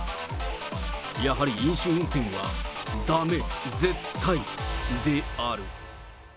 やはり飲酒運転はだめ、絶対である。